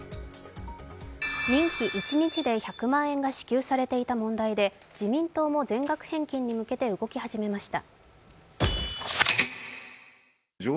任期一日で１００万円が支給されていた問題で自民党も全額返金に向けて動き始めました。